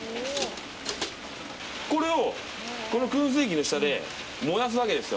これをこの燻製器の下で燃やすわけですよ。